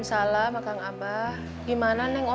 ya udahengi juga pegangwitch